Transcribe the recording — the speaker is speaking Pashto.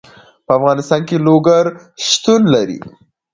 په افغانستان کې لوگر شتون لري.